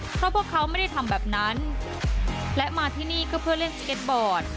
เพราะพวกเขาไม่ได้ทำแบบนั้นและมาที่นี่ก็เพื่อเล่นสเก็ตบอร์ด